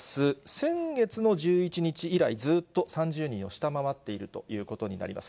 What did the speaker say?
先月の１１日以来、ずっと３０人を下回っているということになります。